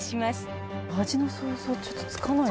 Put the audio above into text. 味の想像ちょっとつかない。